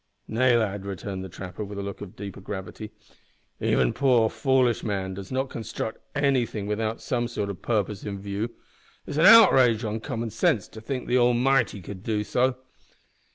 "No, lad," returned the trapper, with a look of deeper gravity. "Even poor, foolish man does not construct anything without some sort o' purpose in view. It's an outrage on common sense to think the Almighty could do so.